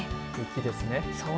雪ですね。